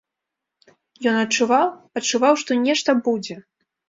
Ён адчуваў, адчуваў што нешта будзе.